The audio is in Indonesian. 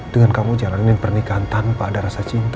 dengan kamu jalanin pernikahan tanpa ada rasa cinta